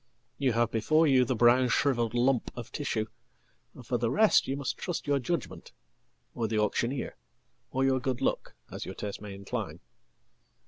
Youhave before you the brown shrivelled lump of tissue, and for the rest youmust trust your judgment, or the auctioneer, or your good luck, as yourtaste may incline.